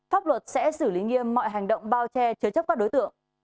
pháp luật sẽ xử lý nghiêm mọi hành động bao che chứa chấp các đối tượng